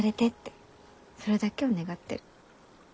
それだけを願ってる。